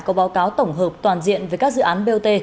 có báo cáo tổng hợp toàn diện về các dự án bot